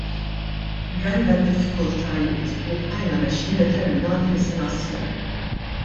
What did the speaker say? Rajna d-diffikultajiet u bqajna mexjin determinati li se naslu.